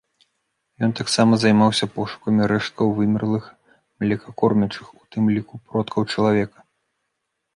Ён таксама займаўся пошукамі рэшткаў вымерлых млекакормячых, у тым ліку продкаў чалавека.